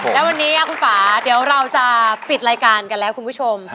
แล้ววันนี้คุณป่าเดี๋ยวเราจะปิดรายการกันแล้วคุณผู้ชม